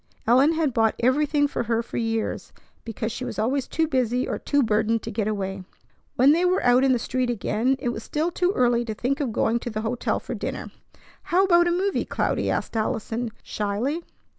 Ellen had bought everything for her for years, because she was always too busy or too burdened to get away. When they were out in the street again, it was still too early to think of going to the hotel for dinner. "How about a movie, Cloudy?" asked Allison shyly.